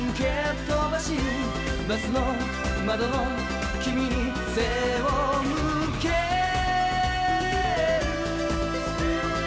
「バスの窓の君に背を向ける」